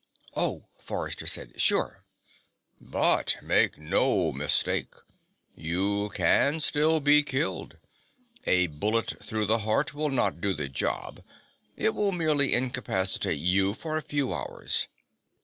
"Oh," Forrester said. "Sure." "But make no mistake. You can still be killed. A bullet through the heart will not do the job; it will merely incapacitate you for a few hours.